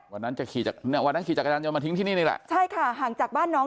วันนั้นจะขี่จากวันนั้นขี่จักรยานยนมาทิ้งที่นี่นี่แหละใช่ค่ะห่างจากบ้านน้อง